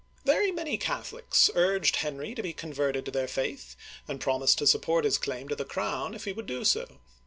Very many Catholics urged Henry to be converted to their faith, and promised to support his claim to the crown if he would do so.